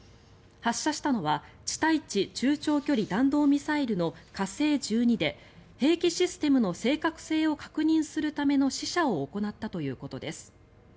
発射したのは地対地中長距離弾道ミサイルの火星１２で兵器システムの正確性を確認するための試射を行ったということです。